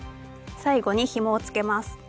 最後にひもをつけます。